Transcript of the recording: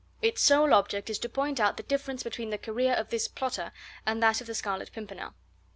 Its sole object is to point out the difference between the career of this plotter and that of the Scarlet Pimpernel.